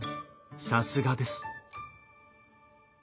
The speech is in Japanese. さすがです。